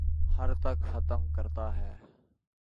خر تک ختم کرتا ہے